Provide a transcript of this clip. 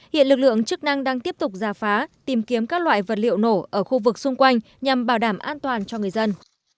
hiện lực lượng chức năng đang tiếp tục giả phá tìm kiếm các loại vật liệu nổ ở khu vực xung quanh nhằm bảo đảm an toàn cho người dân